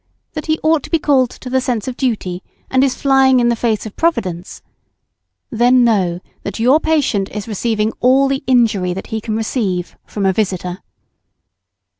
That, he ought to be called to a sense of duty, and is flying in the face of Providence; then know that your patient is receiving all the injury that he can receive from a visitor.